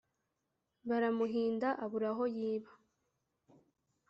Baramuhinda abura aho yiba